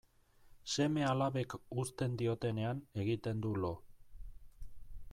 Seme-alabek uzten diotenean egiten du lo.